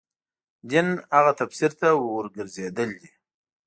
دین هغه تفسیر ته ورګرځېدل دي.